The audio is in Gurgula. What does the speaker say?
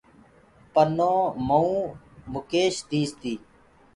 پنو ميوُ مُڪيش ديس تي۔